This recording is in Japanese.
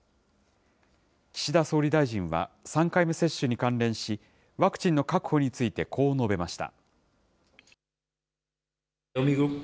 岸田総理大臣は、３回目接種に関連し、ワクチンの確保について、こう述べました。